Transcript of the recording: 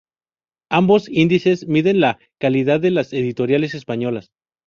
Ambos índices miden la calidad de las editoriales españolas.